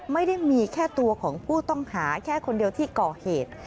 ไม่ได้มีแค่ตัวของผู้ต้องหาแค่คนเดียวที่ก่อเหตุ